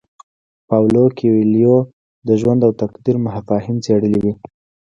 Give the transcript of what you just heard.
پاولو کویلیو د ژوند او تقدیر مفاهیم څیړلي دي.